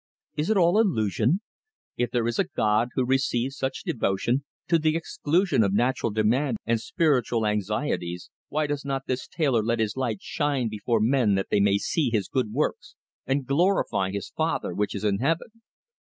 Is it all illusion? If there is a God who receives such devotion, to the exclusion of natural demand and spiritual anxieties, why does not this tailor 'let his light so shine before men that they may see his good works, and glorify his Father which is in heaven?